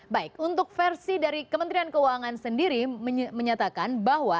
baik untuk versi dari kementerian keuangan sendiri menyatakan bahwa